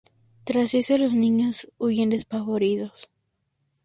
Tras eso los niños huyen despavoridos.